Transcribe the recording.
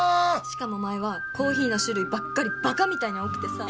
しかも前はコーヒーの種類ばっかりバカみたいに多くてさ。